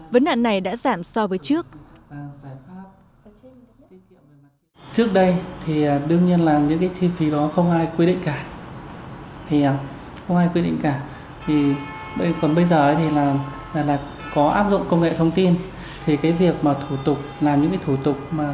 vấn đạn này đã giảm so với trước